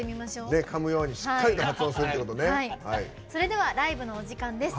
それではライブのお時間です。